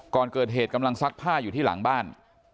ก่อนเกิดเหตุกำลังซักผ้าอยู่ที่หลังบ้าน